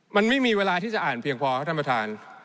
มันไม่มีเวลาที่จะอ่านเพียงพอครับท่านประธาน